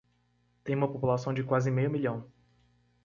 Tem uma população de quase meio milhão.